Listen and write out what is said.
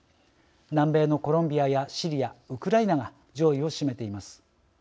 南米のコロンビアやシリアウクライナが上位を占めています。